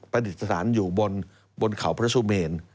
ประดิษฐานอยู่บนข่าวพระสุเมณ